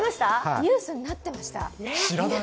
ニュースになってました。